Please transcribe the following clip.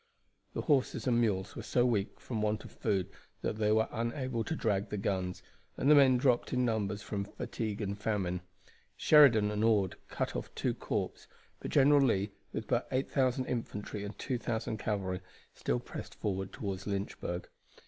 The horses and mules were so weak from want of food that they were unable to drag the guns, and the men dropped in numbers from fatigue and famine. Sheridan and Ord cut off two corps, but General Lee, with but 8,000 infantry and 2,000 cavalry, still pressed forward toward Lynchburg.